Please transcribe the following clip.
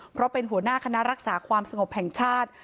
เพราะเป็นหัวหน้าคณะรักษาความสงบแห่งชาติ